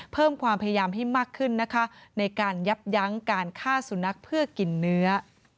เพิ่มความพยายามให้มากขึ้นนะคะในการยับยั้งการฆ่าสุนัขเพื่อกินเนื้อ